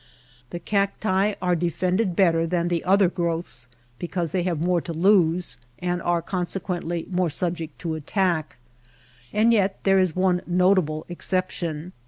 The cacti are defended better than the other growths because they have more to lose, and are consequently more subject to attack. And yet there is one notable exception.